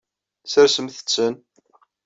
Sersemt-ten.